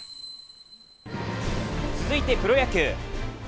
続いてプロ野球。